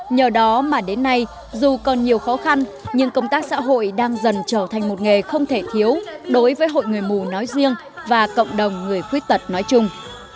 nhờ đó mà đến nay dù còn nhiều khó khăn nhưng công tác xã hội đang dần trở thành một nghề không thể thiếu đối với hội người mù nói riêng và cộng đồng người khuyết tật nói chung